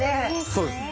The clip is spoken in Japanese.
そうですね。